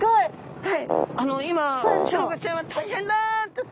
はい。